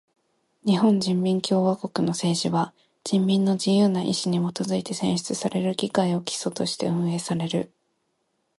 日本人民共和国の政治は人民の自由な意志にもとづいて選出される議会を基礎として運営される。